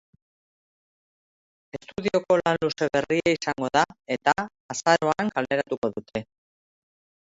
Estudioko lan luze berria izango da eta azaroan kaleratuko dute.